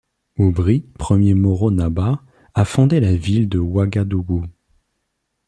Oubri, premier Moro Naba, a fondé la ville de Ouagadougou.